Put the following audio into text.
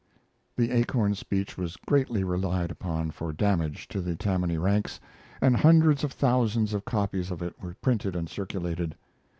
The Acorn speech was greatly relied upon for damage to the Tammany ranks, and hundreds of thousands of copies of it were printed and circulated.